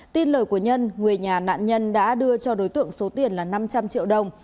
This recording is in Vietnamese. tin lời của nhân người nhà nạn nhân đã đưa cho đối tượng số tiền là năm trăm linh triệu đồng